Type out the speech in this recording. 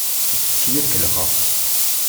Yessefk-iyi ad k-kellexeɣ!